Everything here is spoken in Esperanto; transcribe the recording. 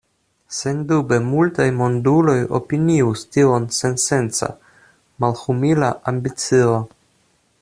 Sendube multaj monduloj opinius tion sensenca, malhumila ambicio.